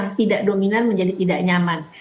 yang tidak dominan menjadi tidak nyaman